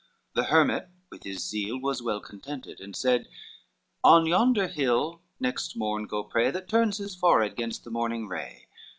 The hermit with his zeal was well contented, And said, "On yonder hill next morn go pray That turns his forehead gainst the morning ray.